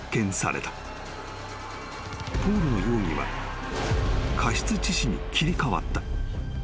［ポールの容疑は過失致死に切り替わった］